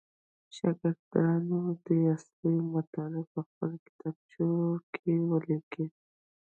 شاګردان دې اصلي مطلب پخپلو کتابچو کې ولیکي.